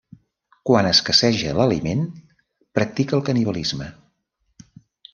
Quan escasseja l'aliment, practica el canibalisme.